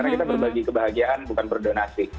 karena kita berbagi kebahagiaan bukan berdonasi